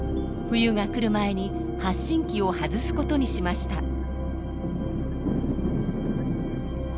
冬が来る前に発信器を外すことにしました。